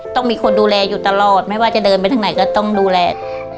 ต้องมีคนดูแลอยู่ตลอดไม่ว่าจะเดินไปทางไหนก็ต้องดูแล